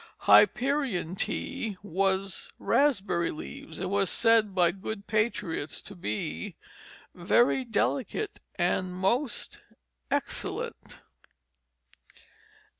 "Hyperion tea" was raspberry leaves, and was said by good patriots to be "very delicate and most excellent."